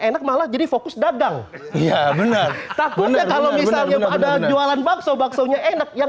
enak malah jadi fokus dagang iya benar takutnya kalau misalnya pada jualan bakso baksonya enak yang